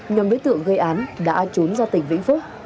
nhóm đối tượng gây án đã trốn ra tỉnh vĩnh phúc